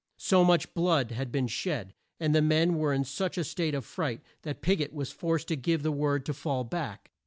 So much blood had been shed, and the men were in such a state of fright, that Pig ot was forced to give the word to fall back.